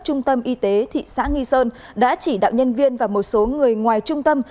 trung tâm y tế thị xã nghi sơn đã chỉ đạo nhân viên và một số người ngoài trung tâm